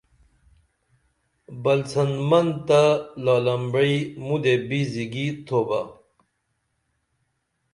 بلڅن من تہ لال امبعی مودیہ بی زگی تھوبہ